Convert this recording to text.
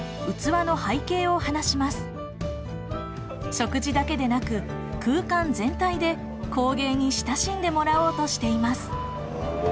食事だけでなく空間全体で工芸に親しんでもらおうとしています。